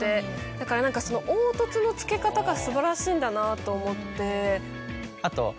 だからその凹凸のつけ方が素晴らしいんだなと思って。